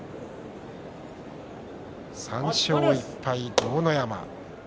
３勝１敗、豪ノ山。